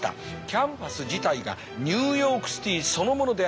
キャンパス自体がニューヨークシティーそのものであります。